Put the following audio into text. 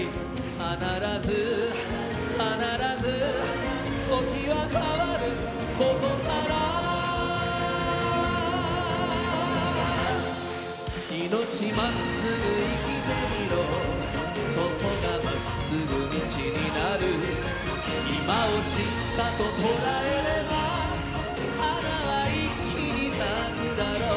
かならずかならず時は変わるここからいのちまっすぐ生きてみろそこがまっすぐ道になるいまをしっかと捉えれば華は一気に咲くだろう